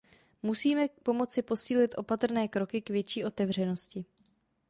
Musíme pomoci posílit opatrné kroky k větší otevřenosti.